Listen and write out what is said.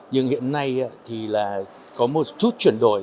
nhưng hiện nay có một chút chuyển đổi